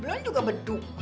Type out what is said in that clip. belom juga beduk